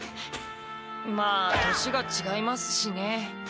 まあ年がちがいますしね。